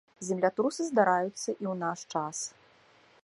Землятрусы здараюцца і ў наш час.